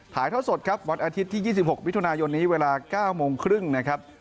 ถ่ายท่อสดครับวันอาทิตย์ที่๒๖มิถุนายนนี้เวลา๙โมงครึ่งนะครับ